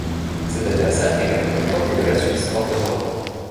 Cet adversaire est également le premier de la Suisse hors d'Europe.